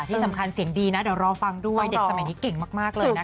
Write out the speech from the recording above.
ที่สำคัญเสียงดีนะเดี๋ยวรอฟังด้วยเด็กสมัยนี้เก่งมากเลยนะคะ